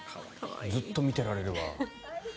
ずっと見ていられるわ。